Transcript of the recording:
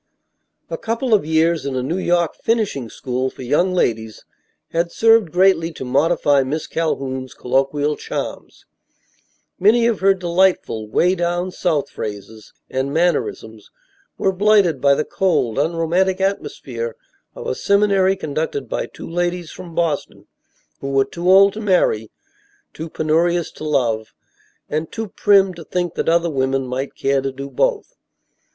A couple of years in a New York "finishing school" for young ladies had served greatly to modify Miss Calhoun's colloquial charms. Many of her delightful "way down south" phrases and mannerisms were blighted by the cold, unromantic atmosphere of a seminary conducted by two ladies from Boston who were too old to marry, too penurious to love and too prim to think that other women might care to do both.